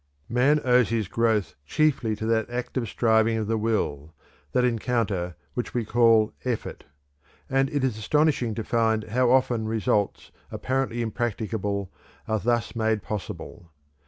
"Man owes his growth chiefly to that active striving of the will, that encounter which we call effort, and it is astonishing to find how often results apparently impracticable are thus made possible.